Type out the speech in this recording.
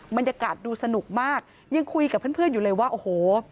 บรรยากาศดูสนุกมากยังคุยกับเพื่อนอยู่เลยว่าโอ้โห